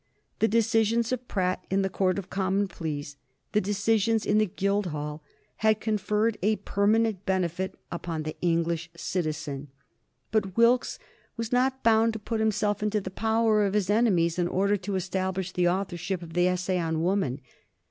The decisions of Pratt in the Court of Common Pleas, the decisions in the Guildhall, had conferred a permanent benefit upon the English citizen. But Wilkes was not bound to put himself into the power of his enemies in order to establish the authorship of the "Essay on Woman."